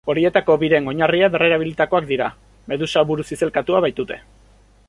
Horietako biren oinarria berrerabilitakoak dira, Medusa buru zizelkatua baitute.